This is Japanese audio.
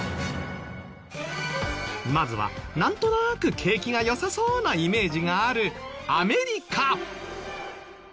まずはなんとなく景気が良さそうなイメージがあるアメリカ。